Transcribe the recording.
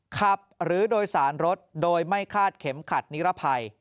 หรือโดยสารรถโดยไม่คาดเข็มขัดนิรภัย